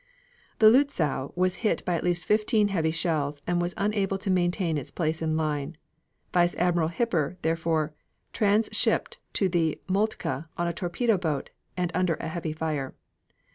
The Lutzow was hit by at least fifteen heavy shells and was unable to maintain its place in line. Vice Admiral Hipper, therefore, trans shipped to the Moltke on a torpedo boat and under a heavy fire.